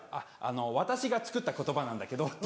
私が作った言葉なんだけど」って。